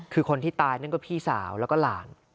คือคนที่ตายนั่นก็พี่สาวแล้วก็หลาน